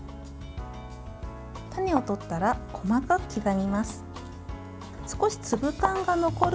種を取ったら細かく刻みます。